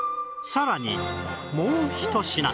さらにもうひと品